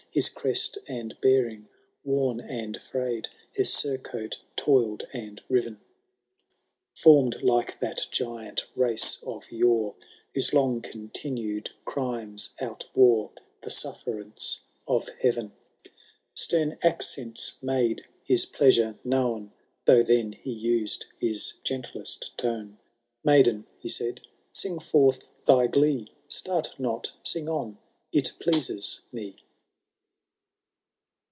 His crest and bearing worn and fray'd. His surcoat soiled and riven, Foim'd like that giant race of yore. Whose long continued crimes outwore The Buffenmce of Heaven. Stem accents made his pleasure known. Though then he used his gentlest tone'. Maiden, he said, sing forth thy glee. Start not— sing on— it pleases me.